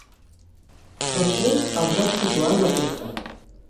Després els vaig situar en la festa.